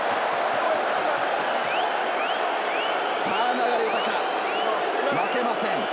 流大、負けません。